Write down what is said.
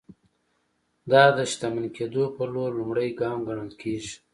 دا د شتمن کېدو پر لور لومړی ګام ګڼل کېږي.